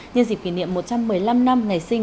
nhân dịp kỷ niệm một trăm một mươi năm năm ngày sinh